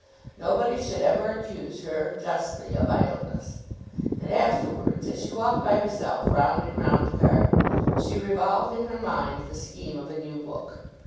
Nobody should ever accuse her justly of idleness. And afterwards, as she walked by herself round and round the garden, she revolved in her mind the scheme of a new book.